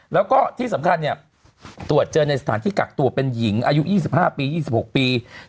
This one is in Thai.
แล้วก็ที่สำคัญเนี่ยตรวจเจอในสถานที่กักตัวเป็นหญิงอายุ๒๕ปี๒๖ปี